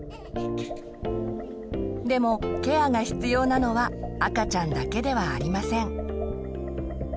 でもケアが必要なのは赤ちゃんだけではありません。